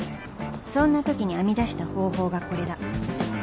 そんなときに編み出した方法がこれだ